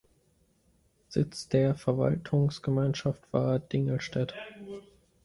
Sitz der Verwaltungsgemeinschaft war Dingelstädt.